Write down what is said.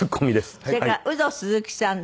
それからウド鈴木さん。